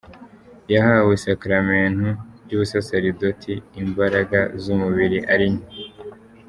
Yahawe isakaramentu ry’ubusaseredoti imbaraga z’umubiri ari nke